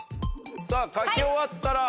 さぁ書き終わったら。